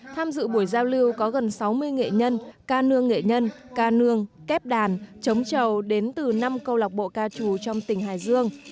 tham dự buổi giao lưu có gần sáu mươi nghệ nhân ca nương nghệ nhân ca nương kép đàn trống trầu đến từ năm câu lạc bộ ca trù trong tỉnh hải dương